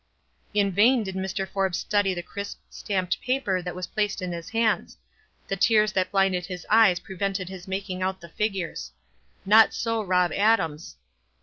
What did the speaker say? In vain did Mr. Forbes study the crisp stamped paper that was r>lao.o.d in his hands — the tears that blinucd nis eyes prevented his making out the figures. Not so Rob. Adams.